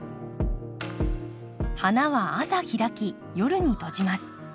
花は朝開き夜に閉じます。